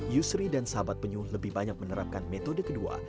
yusri dan sahabat penyuh lebih banyak menerapkan metode kedua